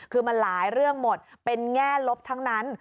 คือมันหลายเรื่องหมดเป็นแง่ลบทั้งนั้น